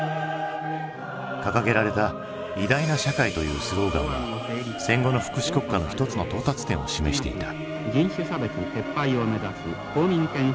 掲げられた「偉大な社会」というスローガンは戦後の福祉国家の一つの到達点を示していた。